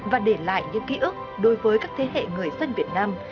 và để lại những ký ức đối với các thế hệ người dân việt nam